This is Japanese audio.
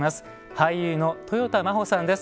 俳優のとよた真帆さんです。